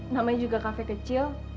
namanya juga kafe kecil